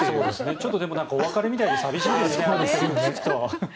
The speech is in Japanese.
ちょっとお別れみたいで寂しいですね。